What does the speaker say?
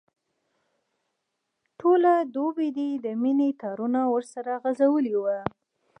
ټوله دوبي دي د مینې تارونه ورسره غځولي وو.